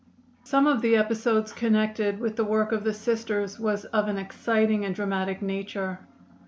Some of the episodes connected with the work of the Sisters was of an exciting and dramatic nature.